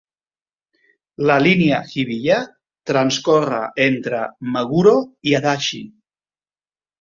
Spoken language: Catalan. La Línia Hibiya transcorre entre Meguro i Adachi.